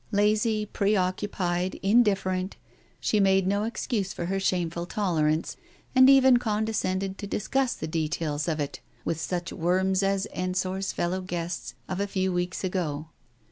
Lazy, preoccupied, indifferent, she made no excuse for her shameful tolerance, and even condescended to discuss the details of it with such worms as Ensor's fellow guest of a few weeks ago.